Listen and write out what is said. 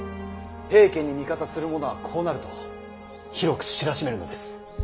平家に味方する者はこうなると広く知らしめるのです。